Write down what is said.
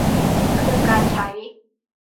คือการใช้